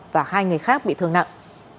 và hai người khác bị thương nặng